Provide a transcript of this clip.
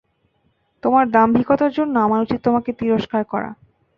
তোমার দাম্ভিকতার জন্য আমার উচিৎ তোমাকে তিরস্কার করা।